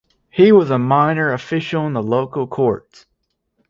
He was a minor official in the local courts.